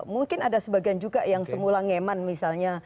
mungkin ada sebagian juga yang semula ngeman misalnya